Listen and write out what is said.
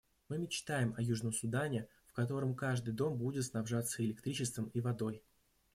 Мы мечтаем о Южном Судане, в котором каждый дом будет снабжаться электричеством и водой.